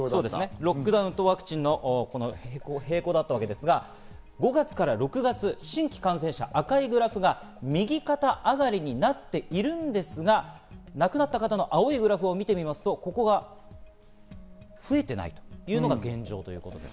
ロックダウンとワクチンの平行だったわけですが、５月から６月、新規感染者、赤いグラフが右肩上がりになっているんですが、亡くなった方の青いグラフを見てみますと、ここが増えてないのが現状です。